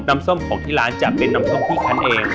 ส้มของที่ร้านจะเป็นน้ำส้มที่คันเอง